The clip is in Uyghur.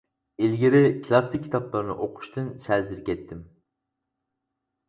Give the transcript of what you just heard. ئىلگىرى كىلاسسىك كىتابلارنى ئوقۇشتىن سەل زېرىكەتتىم.